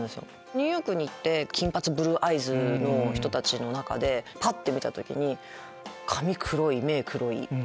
ニューヨークに行って金髪ブルーアイズの人たちの中でぱって見た時に髪黒い目黒い。